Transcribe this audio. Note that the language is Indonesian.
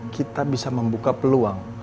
kita bisa membuka peluang